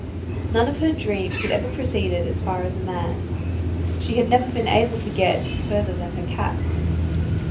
None of her dreams had ever proceeded as far as man. She had never been able to get further than her cat.